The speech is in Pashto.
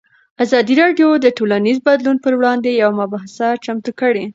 ازادي راډیو د ټولنیز بدلون پر وړاندې یوه مباحثه چمتو کړې.